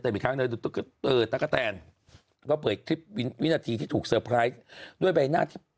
อีกครั้งเลยตะกะแตนก็เปิดคลิปวินาทีที่ถูกด้วยใบหน้าที่เปื้อน